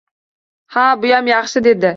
«Ha-a, buyam yaxshi, — dedi